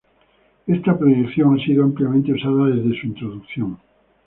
Esta proyección ha sido ampliamente usada desde su introducción.